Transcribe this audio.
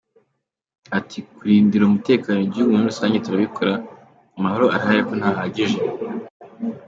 Ati “Kurindira umutekano igihugu muri rusange turabikora, amahoro arahari ariko ntibihagije.